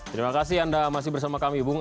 terima kasih anda masih bersama kami bung